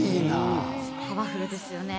パワフルですよね。